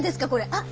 あっ！